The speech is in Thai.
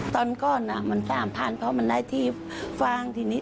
ตอนก่อนมันสามพันเพราะมันได้ที่ฟังที่นี่